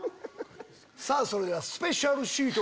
それではスペシャルシート